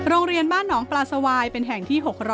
โรงเรียนบ้านหนองปลาสวายเป็นแห่งที่๖๐๐